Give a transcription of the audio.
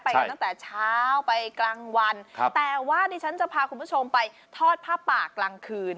กันตั้งแต่เช้าไปกลางวันครับแต่ว่าดิฉันจะพาคุณผู้ชมไปทอดผ้าป่ากลางคืน